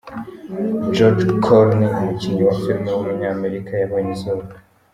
George Clooney, umukinnyi wa filime w’umunyamerika yabonye izuba.